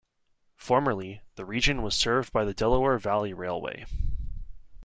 Formerly, the region was served by the Delaware Valley Railway.